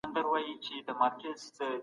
موږ بايد د سياست په اړه حقايق پيدا کړو.